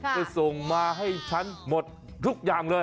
จะส่งมาให้ฉันหมดทุกอย่างเลย